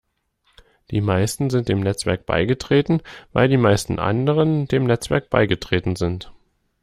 Die meisten sind dem Netzwerk beigetreten, weil die meisten anderen dem Netzwerk beigetreten sind.